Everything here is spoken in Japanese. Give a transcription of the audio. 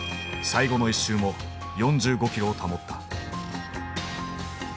最後の１周も４５キロを保った。